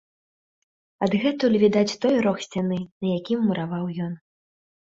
Адгэтуль відаць той рог сцяны, на якім мураваў ён.